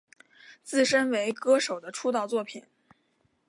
自身为歌手的出道作品。